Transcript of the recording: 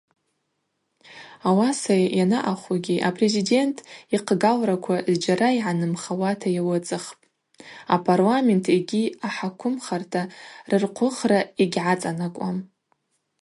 Ауаса йанаъахугьи апрезидент йхъгалраква зджьара йгӏанымхауата йауацӏыхпӏ, апарламент йгьи ахӏаквымхарта рырхъвыхра йгьгӏацӏанакӏуам.